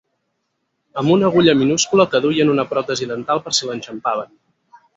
Amb una agulla minúscula que duia en una pròtesi dental per si l'enxampaven.